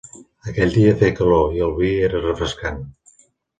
Aquell dia feia calor, i el vi era refrescant.